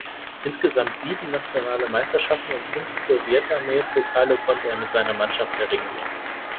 Insgesamt sieben nationale Meisterschaften und fünf Sowjetarmee-Pokale konnte er mit seiner Mannschaft erringen.